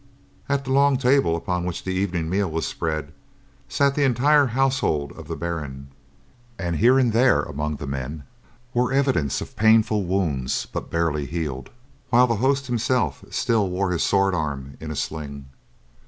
At the long table upon which the evening meal was spread sat the entire household of the Baron, and here and there among the men were evidences of painful wounds but barely healed, while the host himself still wore his sword arm in a sling.